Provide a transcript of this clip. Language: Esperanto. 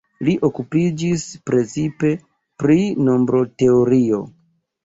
Li okupiĝis precipe pri nombroteorio.